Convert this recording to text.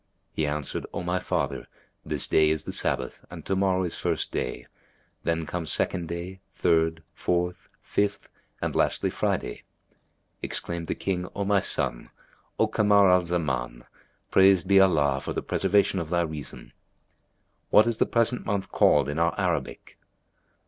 He answered, "O my father, this day is the Sabbath, and to morrow is First day: then come Second day, Third, Fourth, Fifth day and lastly Friday."[FN#275] Exclaimed the King, "O my son, O Kamar al Zaman, praised be Allah for the preservation of thy reason! What is the present month called in our Arabic?"